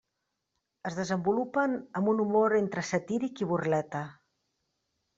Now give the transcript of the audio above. Es desenvolupen amb un humor entre satíric i burleta.